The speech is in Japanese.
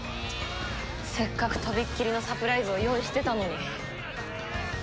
せっかくとびっきりのサプライズを用意してたのに。